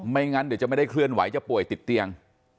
งั้นเดี๋ยวจะไม่ได้เคลื่อนไหวจะป่วยติดเตียง